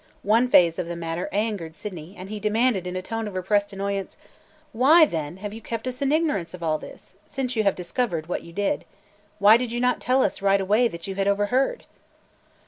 One phase of the matter angered Sydney, and he demanded, in a tone of repressed annoyance: "Why then have you kept us in ignorance of all this, since you have discovered what you did? Why did you not tell us right away that you had – overheard?"